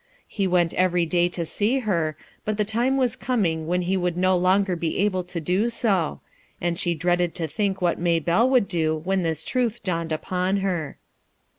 He went every day to see her, but the time was coming when he would no longer be able to do so, and she dreaded to think what Maybelle would do when this truth dawned upon her.